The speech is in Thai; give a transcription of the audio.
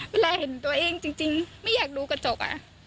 เห็นตัวเองจริงไม่อยากดูกระจก